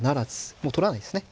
もう取らないんですね。